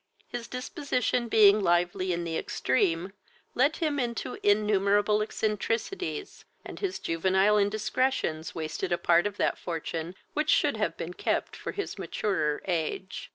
His disposition being lively in the extreme, led him into innumerable eccentricities, and his juvenile indiscretions wasted a part of that fortune which should have been kept for his maturer age.